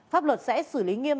pháp luật sẽ xử lý nghiêm